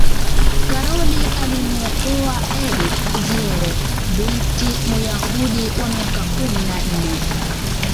karol alimuokoa edith zierer binti muyahudi wa miaka kumi na nne